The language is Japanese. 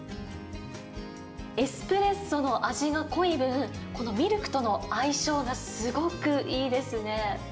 エスプレッソの味が濃い分、このミルクとの相性がすごくいいですね。